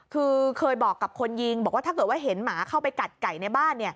คือเคยบอกกับคนยิงบอกว่าถ้าเกิดว่าเห็นหมาเข้าไปกัดไก่ในบ้าน